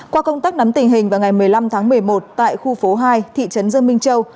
qua công tác nắm tình hình vào ngày một mươi năm tháng một mươi một tại khu phố hai thị trấn dương minh châu